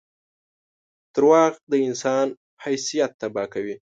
• دروغ د انسان حیثیت تباه کوي.